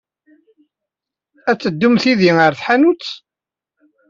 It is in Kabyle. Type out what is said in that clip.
Ad teddumt yid-i ɣer tḥanut?